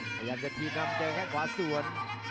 พยายามจะถีบนำเจอแค่งขวาสวน